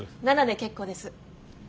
奈々で結構です。